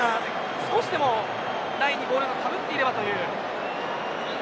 少しでもラインにボールがかぶっていればという。